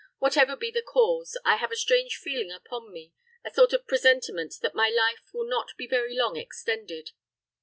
Whatever be the cause, I have a strange feeling upon me, a sort of presentiment that my life will not be very long extended.